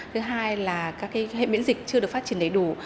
thứ hai là các hệ miễn dịch chưa được phát triển đầy đủ